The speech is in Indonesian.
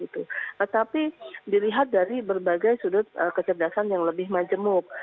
tetapi dilihat dari berbagai sudut kecerdasan yang lebih majemuk